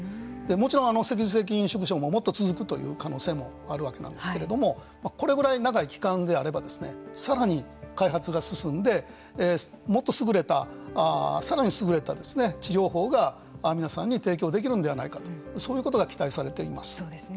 もちろん、脊髄性筋萎縮症ももっと続くという可能性もあるわけなんですけれどもこれぐらい長い期間であればさらに開発が進んでもっと優れたさらに優れた治療法が皆さんに提供できるのではないかとそういうことが期待されています。